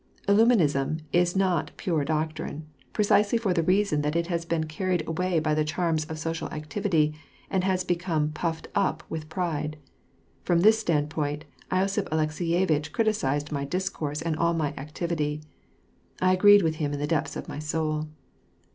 *' IDum inism" is not pure doctrine, precisely for the reason that it has been carried away by the charms of social activity and has become puffed up with pride. From this standpoint, losiph Alekseyevitch criticised my discourse and all' my activity. I agreed with him in the depths of my soul.